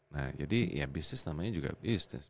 nah jadi ya bisnis namanya juga bisnis